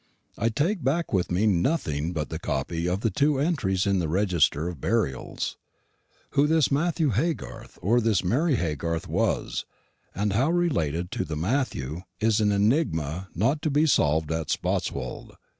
I take back with me nothing but the copy of the two entries in the register of burials. Who this Matthew Haygarth or this Mary Haygarth was, and how related to the Matthew, is an enigma not to be solved at Spotswold.